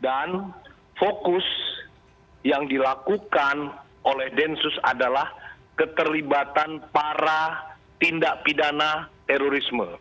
dan fokus yang dilakukan oleh ditas semen khusus adalah keterlibatan para tindak pidana terorisme